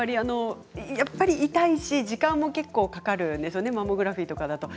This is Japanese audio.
やっぱり痛いし時間も結構かかるんですよねマンモグラフィーとかだと。